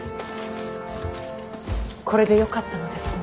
これでよかったのですね。